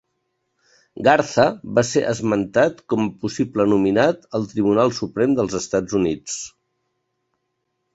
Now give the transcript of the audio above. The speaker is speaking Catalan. Garza va ser esmentat com a possible nominat al Tribunal Suprem del Estats Units.